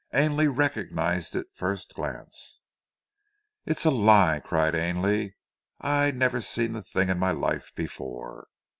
"Ainley recognized it first glance." "It's a lie," cried Ainley. "I've never seen the thing in my life before!"